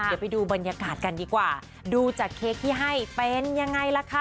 เดี๋ยวไปดูบรรยากาศกันดีกว่าดูจากเค้กที่ให้เป็นยังไงล่ะคะ